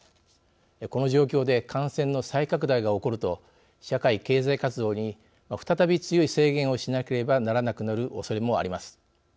この状況で感染の再拡大が起こると社会経済活動に再び強い制限をしなければならなくなるおそれもあります。